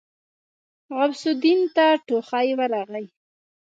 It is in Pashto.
غوث الدين ته ټوخی ورغی.